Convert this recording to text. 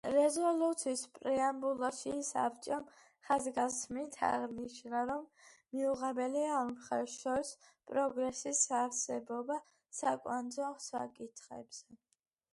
რეზოლუციის პრეამბულაში, საბჭომ ხაზგასმით აღნიშნა, რომ მიუღებელია ორ მხარეს შორის პროგრესის არარსებობა საკვანძო საკითხებზე.